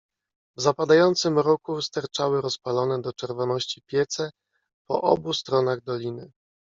"W zapadającym mroku sterczały rozpalone do czerwoności piece po obu stronach doliny."